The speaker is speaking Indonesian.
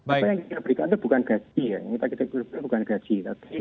apa yang kita berikan itu bukan gaji